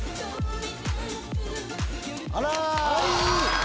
あら！